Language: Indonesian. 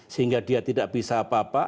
sehingga dia tidak bisa apa apa